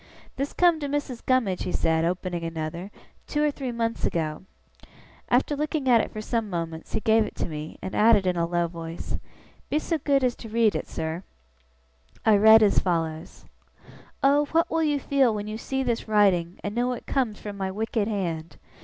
'This come to Missis Gummidge,' he said, opening another, 'two or three months ago.' After looking at it for some moments, he gave it to me, and added in a low voice, 'Be so good as read it, sir.' I read as follows: 'Oh what will you feel when you see this writing, and know it comes from my wicked hand!